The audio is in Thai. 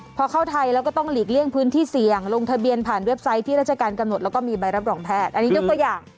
พอเข้าไทยแล้วก็ต้องหลีกเลี่ยงพื้นที่เสี่ยงลงทะเบียนผ่านเว็บไซต์ที่ราชการกำหนดแล้วก็มีใบรับรองแพทย์อันนี้ยกตัวอย่าง